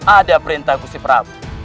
ada perintah kusi perang